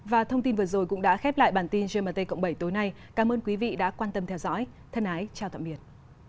và thông tin vừa rồi cũng đã khép lại bản tin gmt cộng bảy tối nay cảm ơn quý vị đã quan tâm theo dõi thân ái chào tạm biệt